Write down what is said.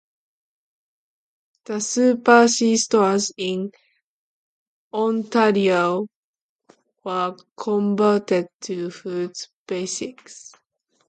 The Super C stores in Ontario were converted to Food Basics.